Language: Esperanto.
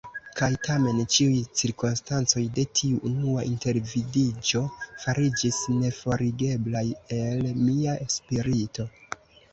Kaj tamen ĉiuj cirkonstancoj de tiu unua intervidiĝo fariĝis neforigeblaj el mia spirito.